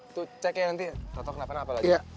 itu cek ya nanti gak tau kenapa kenapa lagi